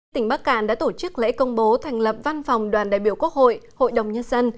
tỉnh bắc cạn đã tổ chức lễ công bố thành lập văn phòng đoàn đại biểu quốc hội hội đồng nhân dân